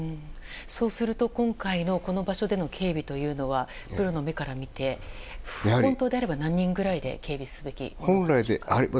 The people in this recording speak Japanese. そうすると、今回のこの場所での警備というのはプロの目から見て、本当であれば何人ぐらいで警備すべきだったでしょうか？